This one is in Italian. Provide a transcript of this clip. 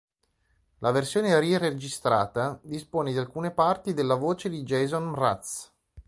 La versione ri-registrata dispone di alcune parti della voce di Jason Mraz.